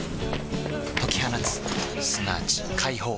解き放つすなわち解放